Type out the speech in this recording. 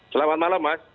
selamat malam mas